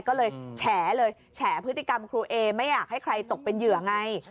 ก็เลยแฉเลยแฉพฤติกรรมครูเอไม่อยากให้ใครตกเป็นเหยื่อไง